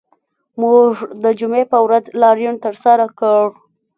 موږ د جمعې په ورځ لاریون ترسره کړ